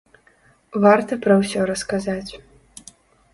Варта пра ўсё расказваць.